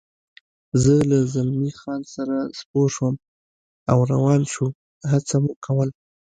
زه له زلمی خان سره سپور شوم او روان شو، هڅه مو کول.